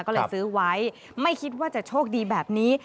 ก็เลยซื้อไว้ไม่คิดว่าจะโชคดีแบบนี้